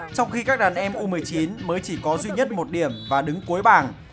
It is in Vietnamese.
trong khi các đàn em u một mươi chín mới chỉ có duy nhất một điểm và đứng cuối bảng